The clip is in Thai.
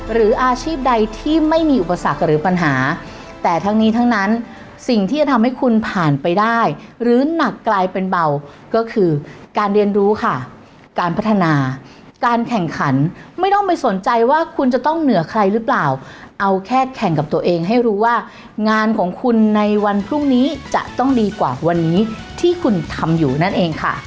หรืออาชีพใดที่ไม่มีอุปสรรคหรือปัญหาแต่ทั้งนี้ทั้งนั้นสิ่งที่จะทำให้คุณผ่านไปได้หรือหนักกลายเป็นเบาก็คือการเรียนรู้ค่ะการพัฒนาการแข่งขันไม่ต้องไปสนใจว่าคุณจะต้องเหนือใครหรือเปล่าเอาแค่แข่งกับตัวเองให้รู้ว่างานของคุณในวันพรุ่งนี้จะต้องดีกว่าวันนี้ที่คุณทำอยู่นั่นเองค่ะ